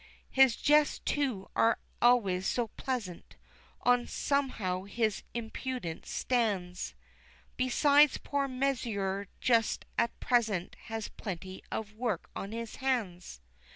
"His jests, too, are always so pleasant, one somehow his impudence stands; Besides, poor Mesrour just at present has plenty of work on his hands.